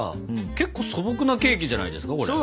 結構素朴なケーキじゃないですかこれ。